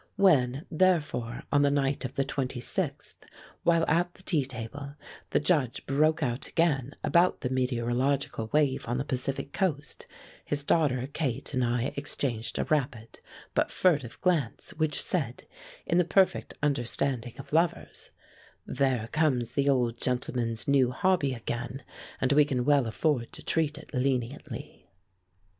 When, therefore, on the night of the 26th, while at the tea table, the Judge broke out again about the meteorological wave on the Pacific coast, his daughter Kate and I exchanged a rapid but furtive glance which said, in the perfect understanding of lovers, "There comes the old gentleman's new hobby again, and we can well afford to treat it leniently."